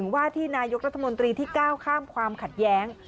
ว่าที่นายกรัฐมนตรีที่ก้าวข้ามความขัดแย้ง